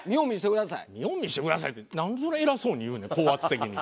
「見本見せてください」ってなんでそんな偉そうに言うねん高圧的に。